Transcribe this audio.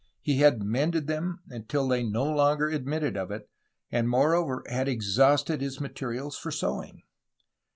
He had mended them until they no longer admitted of it, and, moreover, had exhausted his materials for sewing.